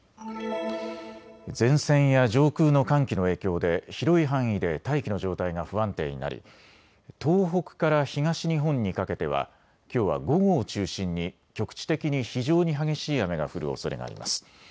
前線や上空の寒気の影響で広い範囲で大気の状態が不安定になり東北から東日本にかけてはきょうは午後を中心に局地的に非常に激しい雨が降るおそれがあります。